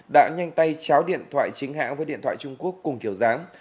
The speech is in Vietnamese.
đã nhanh tay cháo điện thoại chính hãng với điện thoại trung quốc cùng kiểu dáng